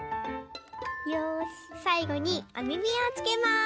よしさいごにおみみをつけます。